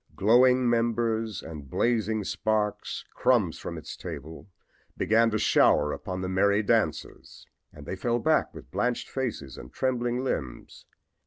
Glowing embers and blazing sparks crumbs from its table began to shower upon the merry dancers, and they fell back with blanched faces and trembling limbs.